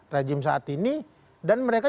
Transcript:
rajim saat ini dan mereka